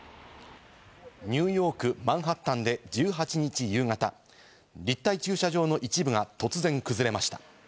ニューヨーク・マンハッタンで１８日夕方、立体駐車場の一部が突然崩れました。